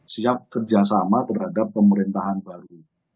siap kerjasama terhadap pemerintahan baru